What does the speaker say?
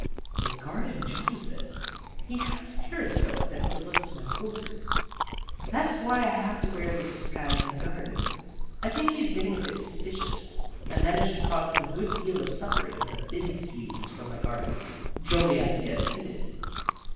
His garden adjoins this. He has a periscope that overlooks my quarters. That's why I have to wear this disguise in the garden. I think he's getting a bit suspicious. I manage to cause him a good deal of suffering with the fizz fumes from my garden. Jolly idea, isn't it?"